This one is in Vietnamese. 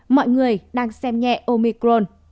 mọi người đang xem nhẹ omicron